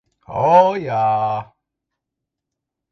O, jā.